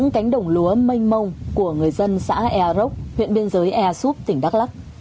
cánh đồng lúa mênh mông của người dân xã ea rốc huyện biên giới ea xúc tỉnh đắk lóc